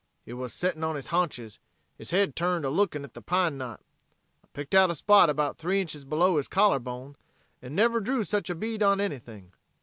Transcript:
He wuz settin' on his haunches, his head turned alookin' at the pine knot. I picked out a spot about three inches below his collar bone, en never drew such a bead on anything.